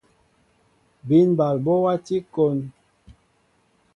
Bín ɓal ɓɔ wati kón.